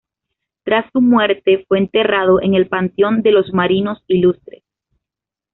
Tras su muerte fue enterrado en el Panteón de los Marinos Ilustres.